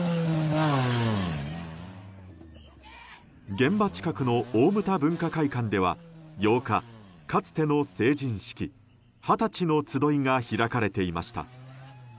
現場近くの大牟田文化会館では８日かつての成人式、はたちの集いが開かれていました。